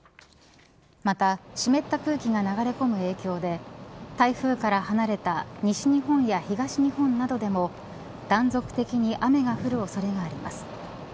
また湿った空気が流れ込む影響で台風から離れた西日本や東日本などでも断続的に雨が降る恐れがあります。